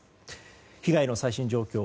被害の最新状況。